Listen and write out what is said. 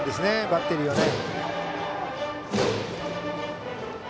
バッテリーはね。